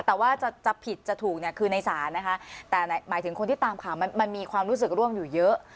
แต่ว่าจะผิดจะถูกเนี่ยคือในศาลนะคะแต่หมายถึงคนที่ตามข่าวมันมีความรู้สึกร่วมอยู่เยอะ